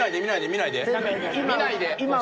見ないで。